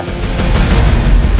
dia bisa menangin kita